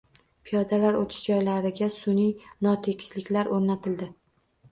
Piyodalar o‘tish joylariga sun'iy notekisliklar o'rnatildi.